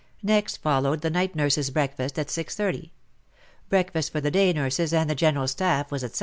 Next followed the night nurses' breakfast at 6.30. Breakfast for the day nurses and the general staff was at 7.